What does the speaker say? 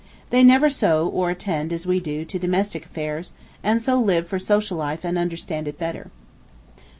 They never sew, or attend, as we do, to domestic affairs, and so live for social life and understand it better.